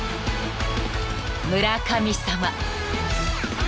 ［村神様］